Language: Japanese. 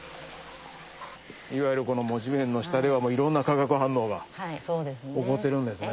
この地面の下ではいろんな化学反応が起こってるんですね。